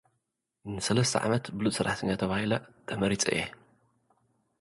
ንሰለስተ ዓመት ብሉጽ ሰራሕተኛ ተባሂለ ተመሪጸ እየ።